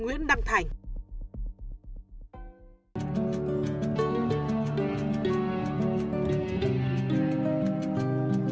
nguyễn đăng thành xin chào tạm biệt và hẹn gặp lại